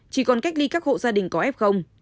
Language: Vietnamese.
chỉ còn cách ly các hộ gia đình có f